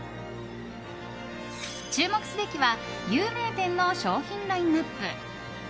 注目すべきは有名店の商品ラインアップ。